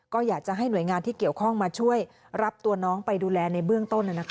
ก็อยากจะให้หน่วยงานที่เกี่ยวข้องมาช่วยรับตัวน้องไปดูแลในเบื้องต้น